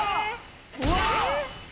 うわっ！